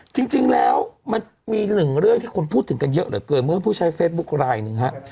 จริงแล้วมันมีหนึ่งเรื่องที่คนพูดถึงกันเยอะเหลือเกินเมื่อผู้ใช้เฟซบุ๊คลายหนึ่งฮะ